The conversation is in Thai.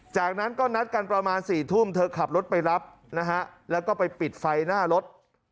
จากนั้นก็นัดกันประมาณ๔ทุ่มเธอขับรถไปรับนะฮะแล้วก็ไปปิดไฟหน้ารถ